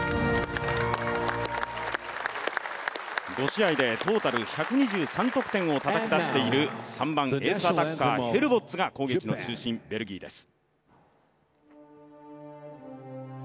５試合でトータル１２３得点をたたき出している３番・エースアタッカー、ヘルボッツが攻撃の中心、ベルギーです。